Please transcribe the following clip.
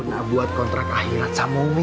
kamu pernah buat kontrak akhirat sama umi